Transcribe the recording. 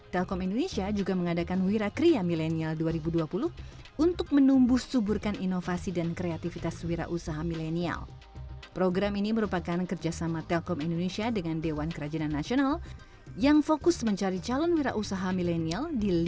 telkom indonesia juga memanfaatkan media sosial untuk melakukan kampanye melawan covid sembilan belas